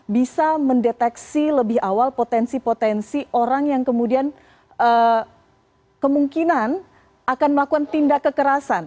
bisa mendeteksi lebih awal potensi potensi orang yang kemudian kemungkinan akan melakukan tindak kekerasan